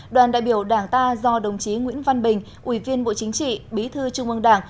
đoàn đại biểu đảng ta do đồng chí nguyễn văn bình ủy viên bộ chính trị bí thư trung ương đảng